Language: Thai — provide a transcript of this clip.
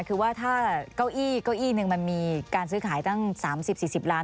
คือว่าถ้าเก้าอี้เก้าอี้หนึ่งมันมีการซื้อขายตั้ง๓๐๔๐ล้าน